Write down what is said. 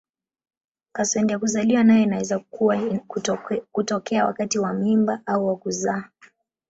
Kaswende ya kuzaliwa nayo inaweza kutokea wakati wa mimba au wa kuzaa.